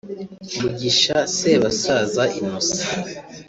Mugisha Sebasaza Innocent